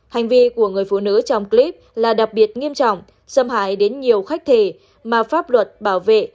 hành vi của người phụ nữ trong clip là đặc biệt nghiêm trọng xâm hại đến nhiều khách thể mà pháp luật bảo vệ